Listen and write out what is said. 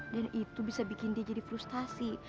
dan itu bisa bikin dia jadi frustasi